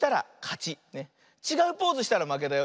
ちがうポーズしたらまけだよ。